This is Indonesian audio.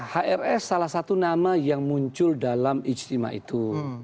hrs salah satu nama yang muncul dalam ijtima itu